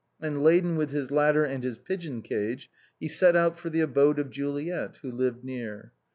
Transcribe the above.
" And laden with his ladder and his pigeon cage, he set out for Ihe abode of Juliet, who lived near.